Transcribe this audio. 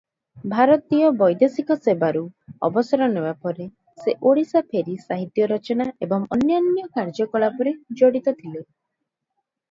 ଭାରତୀୟ ବୈଦେଶିକ ସେବାରୁ ଅବସର ନେବା ପରେ ସେ ଓଡ଼ିଶା ଫେରି ସାହିତ୍ୟ ରଚନା ଏବଂ ଅନ୍ୟାନ୍ୟ କାର୍ଯ୍ୟକଳାପରେ ଜଡ଼ିତ ଥିଲେ ।